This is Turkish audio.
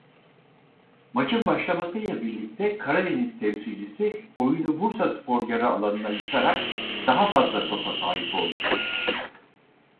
Maçın başlamasıyla birlikte Karadeniz temsilcisi oyunu Bursaspor yarı alanına yıkarak daha fazla topa sahip oldu.